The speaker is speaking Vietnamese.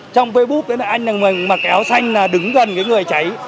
trong facebook anh mà kéo xanh là đứng gần người cháy